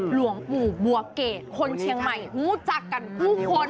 หลวงปู่บัวเกรดคนเชียงใหม่รู้จักกันผู้คน